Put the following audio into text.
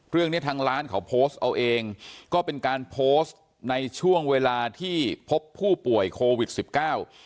เรื่องเนี้ยทางร้านเขาโพสต์เอาเองก็เป็นการโพสต์ในช่วงเวลาที่พบผู้ป่วยโควิดสิบเก้า